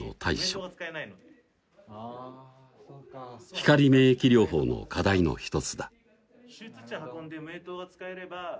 光免疫療法の課題の一つだ